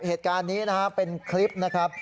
เหตุการณ์นี้นะครับเป็นคลิปนะครับ